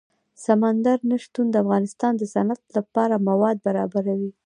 سمندر نه شتون د افغانستان د صنعت لپاره مواد برابروي.